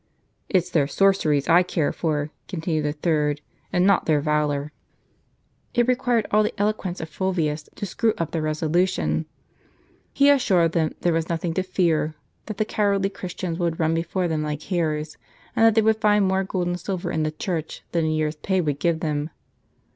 "It's their sorceries I care for," continued a third, " and not their valor." It required all the eloquence of Fulvius to screw up their resolution. He assured them there was nothing to fear ; that the cowardly Christians would run before them like hares, and that they would find more gold and silver in the church than a year's pay would give them.